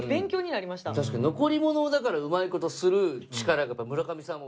確かに残り物をだからうまい事する力がやっぱ村上さん